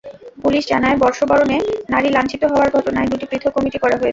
Police জানায়, বর্ষবরণে নারী লাঞ্ছিত হওয়ার ঘটনায় দুটি পৃথক কমিটি করা হয়েছে।